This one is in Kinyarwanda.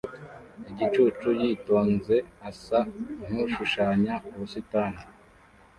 igicucu yitonze asa nkushushanya ubusitani